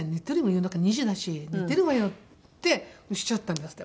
夜中２時だし寝てるわよ」っておっしゃったんですって。